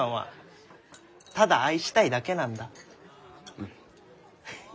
うん。